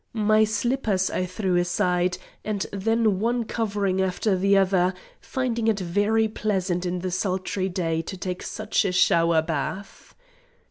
My slippers I threw aside, and then one covering after the other, finding it very pleasant in the sultry day to take such a shower bath.